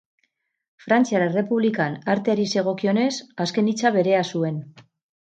Frantziar Errepublikan arteari zegokionez, azken hitza berea zuen.